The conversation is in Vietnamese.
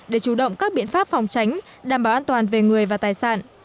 để chủ động các biện pháp phòng tránh đảm bảo an toàn về người và tài sản